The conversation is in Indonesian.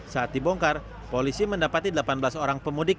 saat dibongkar polisi mendapati delapan belas orang pemudik